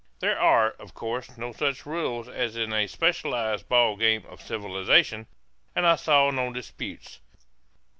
There are, of course, no such rules as in a specialized ball game of civilization; and I saw no disputes.